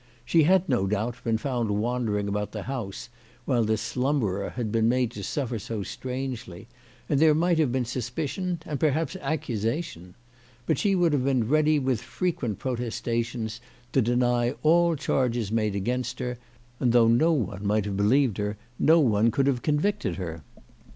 She had, no doubt, been found wandering about the house while the slumberer had been made to suffer so strangely, and there might have been suspicion, and perhaps accusation. But she would have been ready with frequent protestations to deny all charges made against her, and, though no one might have believed her, no one could have convicted her.